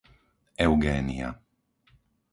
Eugénia